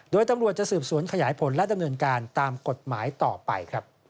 โดยตำรวจจะสืบสวนขยายผลและดำเนินการตามกฎหมายต่อไป